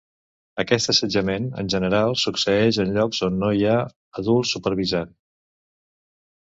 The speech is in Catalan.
Aquest assetjament, en general, succeeix en llocs on no hi ha adults supervisant.